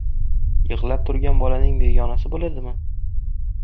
Yig‘lab turgan bolaning begonasi bo‘ladimi?